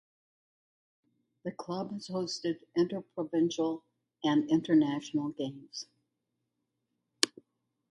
The club has hosted interprovincial and international games.